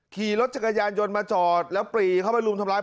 ขี่รถจักรยานยนต์มาจอดแล้วปรีเข้าไปรุมทำร้าย